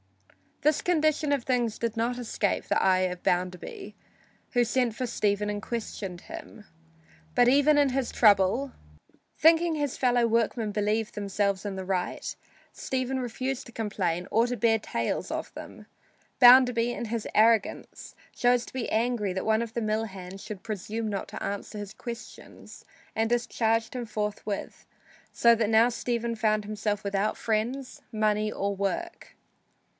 This condition of things did not escape the eye of Bounderby, who sent for Stephen and questioned him. But even in his trouble, thinking his fellow workmen believed themselves in the right, Stephen refused to complain or to bear tales of them. Bounderby, in his arrogance, chose to be angry that one of his mill hands should presume not to answer his questions and discharged him forthwith, so that now Stephen found himself without friends, money or work.